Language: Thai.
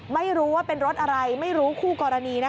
ไม่รู้ว่าเป็นรถอะไรไม่รู้คู่กรณีนะคะ